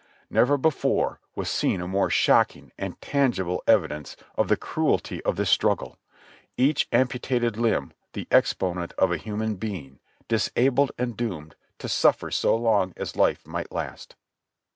Never be fore was seen a more shocking and tangible evidence of the cru elty of this struggle — each amputated limb the exponent of a human being disabled and doomed to suffer so long as life might last.